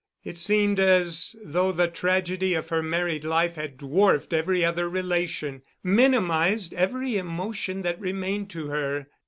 It seemed as though the tragedy of her married life had dwarfed every other relation, minimized every emotion that remained to her.